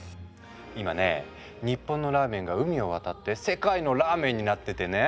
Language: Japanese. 今ね日本のラーメンが海を渡って「世界のＲＡＭＥＮ」になっててね。